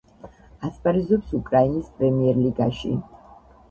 ასპარეზობს უკრაინის პრემიერლიგაში.